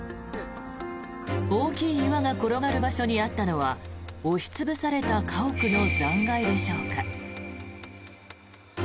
大きい岩が転がる場所にあったのは押し潰された家屋の残骸でしょうか。